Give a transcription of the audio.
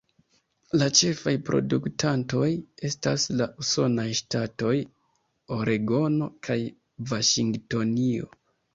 La ĉefaj produktantoj estas la usonaj ŝtatoj Oregono kaj Vaŝingtonio.